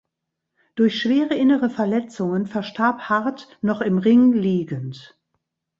Durch schwere innere Verletzungen verstarb Hart noch im Ring liegend.